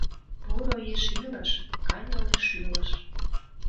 Поро еш илыш — каньыле шӱлыш.